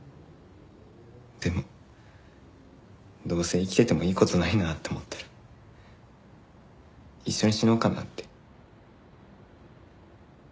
でもどうせ生きててもいい事ないなって思ったら一緒に死のうかなって。